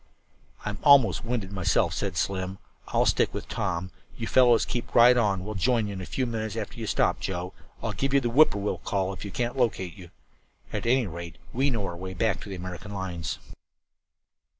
"I'm almost winded myself," said Slim. "I'll stick with Tom; you fellows keep right on. We'll join you in a few minutes after you stop. Joe, I'll give that 'whip poor will' call if we can't locate you. At any rate, we know our way back to the American lines."